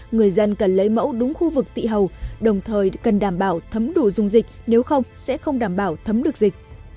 người dân cần lấy mẫu đúng khu vực tị hầu đồng thời cần đảm bảo thấm đủ dung dịch nếu không sẽ không đảm bảo thấm được dịch